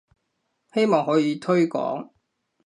希望可以推廣